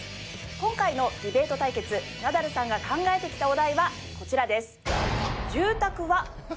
今回のディベート対決ナダルさんが考えてきたお題はこちらです。